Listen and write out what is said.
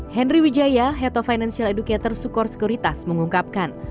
henry wijaya head to financial educator sukor sekuritas mengungkapkan